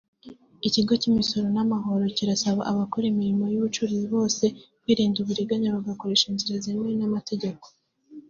Ikigo cy’imisoro n’amahoro kirasaba abakora imirimo y’ubucuruzi bose kwirinda uburiganya bagakoresha inzira zemewe n’amategeko